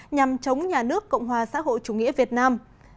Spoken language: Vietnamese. nhằm chống nhà nước cộng hòa xã hội chủ nghĩa việt nam